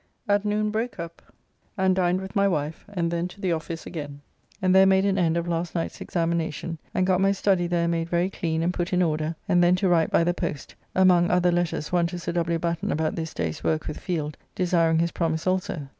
At noon broke up and dined with my wife, and then to the office again, and there made an end of last night's examination, and got my study there made very clean and put in order, and then to write by the post, among other letters one to Sir W. Batten about this day's work with Field, desiring his promise also.